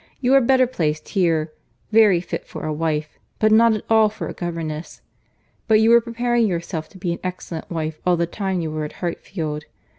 "You are better placed here; very fit for a wife, but not at all for a governess. But you were preparing yourself to be an excellent wife all the time you were at Hartfield.